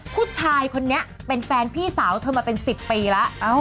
ผู้ชายคนนี้เป็นแฟนพี่สาวเธอมาเป็น๑๐ปีแล้ว